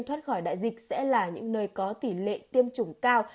thoát khỏi đại dịch sẽ là những nơi có tỷ lệ tiêm chủng cao